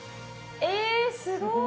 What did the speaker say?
えすごい！